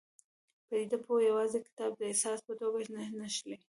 پدیده پوه یوازې کتاب ته د اساس په توګه نه نښلي.